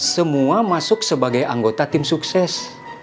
semua masuk sebagai anggota tim sukses